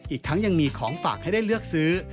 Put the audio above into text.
อีกทั้งยังมีของฝากให้ได้เลือกซื้อ